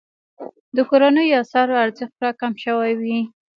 د کورنیو اسعارو ارزښت راکم شوی وي.